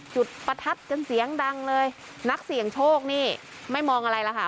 จุดประทัดกันเสียงดังเลยนักเสี่ยงโชคนี่ไม่มองอะไรล่ะค่ะ